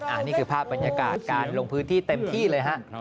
อันนี้คือภาพบรรยากาศการลงพื้นที่เต็มที่เลยฮะ